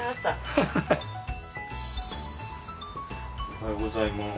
おはようございます。